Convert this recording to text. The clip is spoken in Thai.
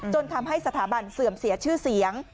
จนทำให้สถาบันเสื่อมเสียชื่อเสียง